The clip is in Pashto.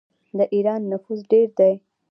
د ایران نفوس ډیر دی.